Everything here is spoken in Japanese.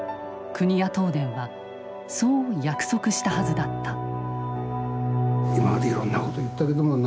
国や東電はそう約束したはずだった。